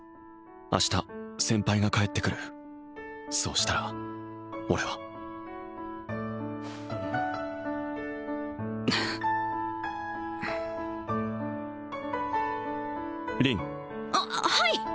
明日先輩が帰ってくるそうしたら俺は凛あはい！